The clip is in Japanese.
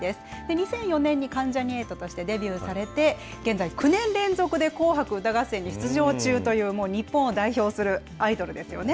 ２００４年に関ジャニ∞としてデビューされて、現在９年連続で紅白歌合戦に出場中という、もう日本を代表するアイドルですよね。